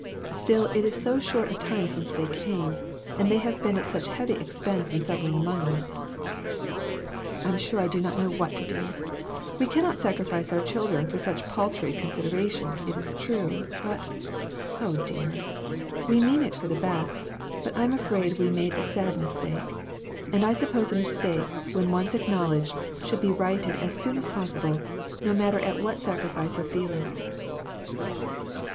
Still it is so short a time since they came ; and they have been at such heavy expense in settling among us. " I'm sure I don't know what to do. We can not sacrifice our children for such paltry consider ations, it is true. But oh, dear! We meant it for the best; but I'm afraid we made a sad mis take. And I suppose a mistake, when once acknowledged, should be righted as soon as possi ble, no matter at what sacrifice of feeing."